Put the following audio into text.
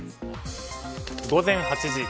午前８時。